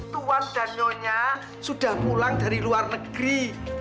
tuan dan nyonya sudah pulang dari luar negeri